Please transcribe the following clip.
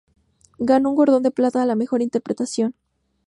Ganó un Cordón de Plata a la mejor interpretación.